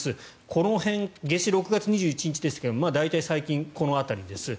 この辺、夏至６月２１日ですから最近、この辺りです。